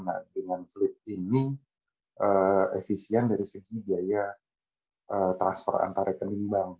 nah dengan flip ini efisien dari segi biaya transfer antarekening